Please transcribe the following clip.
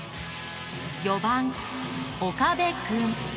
４番岡部君。